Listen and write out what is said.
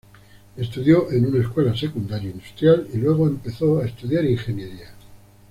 Estudió en una escuela secundaria industrial y luego empezó a estudiar Ingeniería.